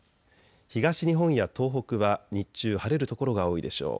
東日本や東北は日中晴れる所が多いでしょう。